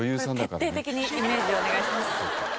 徹底的にイメージをお願いします。